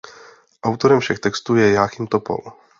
Autorem všech textů je Jáchym Topol.